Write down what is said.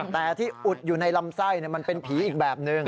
แต่ที่อุดอยู่ในลำไส้มันเป็นผีอีกแบบนึง